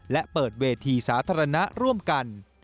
และเปิดเวทีสาธารณะร่วมกัน